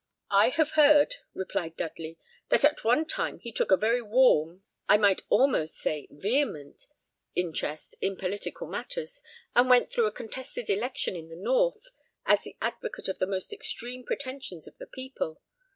"I have heard," replied Dudley, "that at one time he took a very warm, I might almost say vehement, interest in political matters, and went through a contested election in the north, as the advocate of the most extreme pretensions of the people.